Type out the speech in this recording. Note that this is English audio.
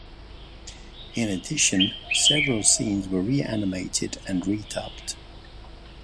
In addition, several scenes were re-animated and re-dubbed.